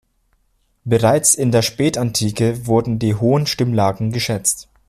Bereits in der Spätantike wurden die hohen Stimmlagen geschätzt.